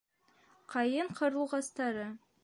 ҠАЙЫН ҠАРЛУҒАСТАРЫ